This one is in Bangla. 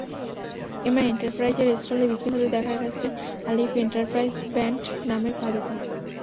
এমা এন্টারপ্রাইজের স্টলে বিক্রি হতে দেখা গেছে আলিফ এন্টারপ্রাইজ ব্র্যান্ড নামের পাদুকা।